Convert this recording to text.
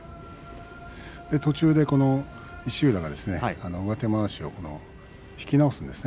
途中から石浦がまわしを引き直すんですね